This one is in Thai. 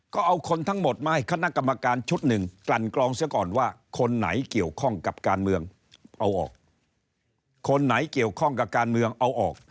ก็เอาคนทั้งหมดมาให้คณะกรรมการชุดหนึ่งกลั่นกรองเสียก่อนว่าคนไหนเกี่ยวข้องกับการเมืองเอาออกคนไหนเกี่ยวข้องกับการเมืองเอาออก